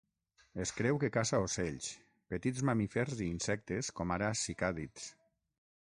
Es creu que caça ocells, petits mamífers i insectes com ara cicàdids.